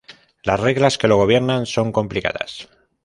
Las reglas que lo gobiernan son complicadas.